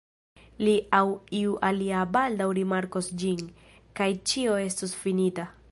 Li aŭ iu alia baldaŭ rimarkos ĝin, kaj ĉio estos finita.